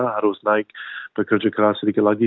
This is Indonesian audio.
harus naik bekerja keras sedikit lagi